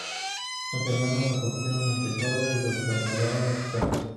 Los hermanos recogieron el tesoro y lo trasladaron a su casa.